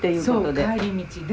そう「帰り道」で。